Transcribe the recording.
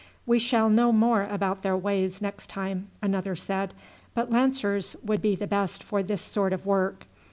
"We shall know more about their ways next time," another said. "But lancers would be the best for this sort of work.